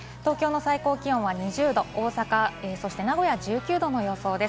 東京の最高気温は２０度、大阪そして名古屋は１９度の予想です。